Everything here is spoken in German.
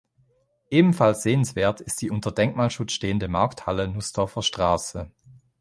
Ebenfalls sehenswert ist die unter Denkmalschutz stehende Markthalle Nussdorfer Straße.